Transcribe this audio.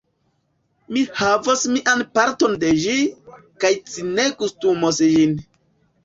Mi havos mian parton de ĝi, kaj ci ne gustumos ĝin.